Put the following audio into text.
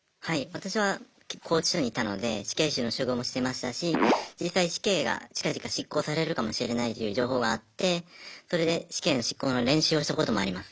私は拘置所にいたので死刑囚の処遇もしてましたし実際死刑が近々執行されるかもしれないという情報があってそれで死刑の執行の練習をしたこともあります。